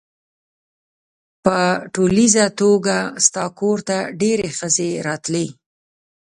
په ټولیزه توګه ستا کور ته ډېرې ښځې راتلې.